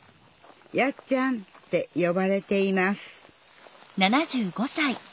「やっちゃん」ってよばれています